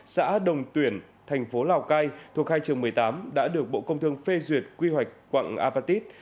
xã đồng tuyển thành phố lào cai thuộc khai trường một mươi tám đã được bộ công thương phê duyệt quy hoạch quạng apatit